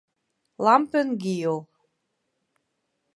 Lampen giel.